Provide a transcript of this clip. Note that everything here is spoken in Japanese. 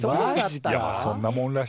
いやまあそんなもんらしいよ。